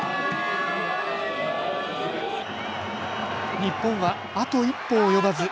日本はあと一歩及ばず。